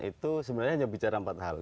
itu sebenarnya hanya bicara empat hal